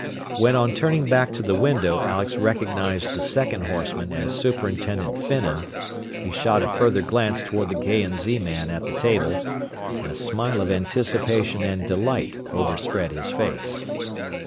When on turning back to the window Alex recognized the second horseman as Superintendent Finnan, he shot a further glance toward the K. & Z. man at the table, and a smile of anticipation and delight overspread his face.